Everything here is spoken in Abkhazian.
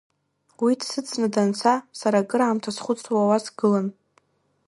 Уи дсыдҵны данца, сара акыраамҭа схәыцуа уа сгылан.